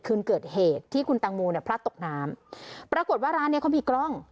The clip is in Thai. คืนเกิดเหตุที่คุณตังโมเนี่ยพลัดตกน้ำปรากฏว่าร้านเนี้ยเขามีกล้อง